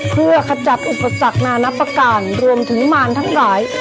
เพื่อขจัดอุปสรรคนานับประการรวมถึงมารทั้งหลาย